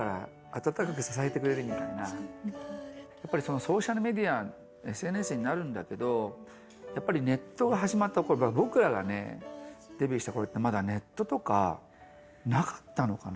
やっぱりソーシャルメディアＳＮＳになるんだけどやっぱりネットが始まった頃僕らがねデビューした頃ってまだネットとかなかったのかな。